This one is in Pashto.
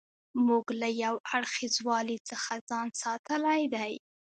موږ له یو اړخیزوالي څخه ځان ساتلی دی.